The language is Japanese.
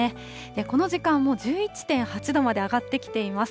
この時間、もう１１．８度まで上がってきています。